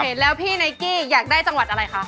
เห็นแล้วพี่ไนกี้อยากได้จังหวัดอะไรคะ